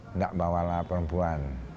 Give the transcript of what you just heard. enggak bawalah perempuan